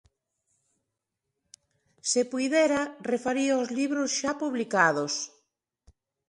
Se puidera, refaría os libros xa publicados.